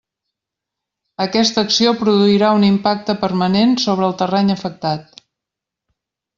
Aquesta acció produirà un impacte permanent sobre el terreny afectat.